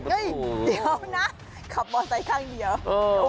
เฮ่ยเดี๋ยวนะขับบอสไตล์ข้างเดียว